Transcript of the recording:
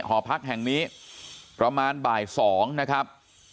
หอพักแห่งนี้ประมาณบ่าย๒นะครับ